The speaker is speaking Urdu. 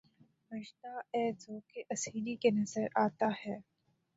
مُژدہ ، اے ذَوقِ اسیری! کہ نظر آتا ہے